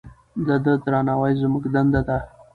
د ده درناوی زموږ دنده ده.